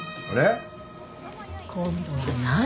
今度は何？